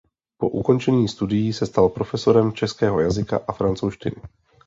Po ukončení studií se stal profesorem českého jazyka a francouzštiny.